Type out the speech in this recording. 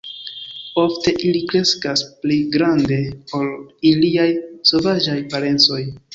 Ofte ili kreskas pli grande ol iliaj sovaĝaj parencoj.